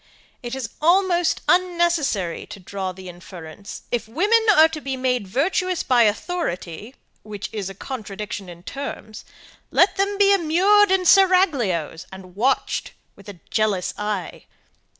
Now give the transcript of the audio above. It is almost unnecessary to draw the inference. If women are to be made virtuous by authority, which is a contradiction in terms, let them be immured in seraglios and watched with a jealous eye.